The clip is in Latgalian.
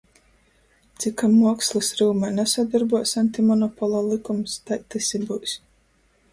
Cikom muokslys ryumē nasadorbuos antimonopola lykums, tai tys i byus.